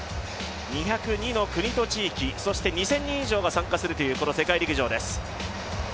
２０２の国と地域、そして２０００人以上が参加するというこの世界陸上です。